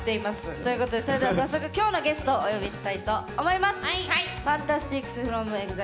ということでそれでは早速今日のゲストお呼びしたいと思います！